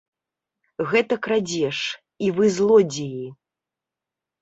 Гэта крадзеж, і вы злодзеі.